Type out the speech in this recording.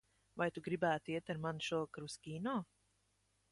Vai tu gribētu iet ar mani šovakar uz kino?